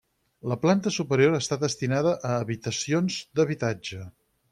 La planta superior està destinada a habitacions d'habitatge.